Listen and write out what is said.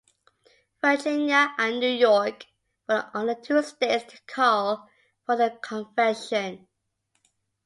Virginia and New York were the only two states to call for the Convention.